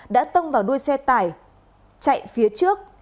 đã tông vào đuôi xe tải chạy phía trước